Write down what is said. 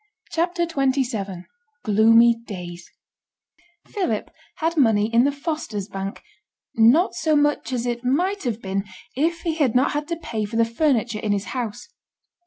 CHAPTER XXVII GLOOMY DAYS Philip had money in the Fosters' bank, not so much as it might have been if he had not had to pay for the furniture in his house.